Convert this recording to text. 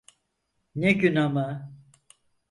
Ne gün ama!